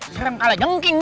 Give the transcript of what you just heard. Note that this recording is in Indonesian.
serem kalah jengking